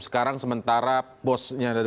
sekarang sementara bosnya dari